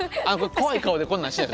怖い顔でこんなしない。